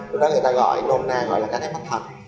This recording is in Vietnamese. đó là người ta gọi nôn na gọi là cánh áp bắt hẳn